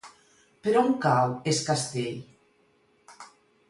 Per on cau Es Castell?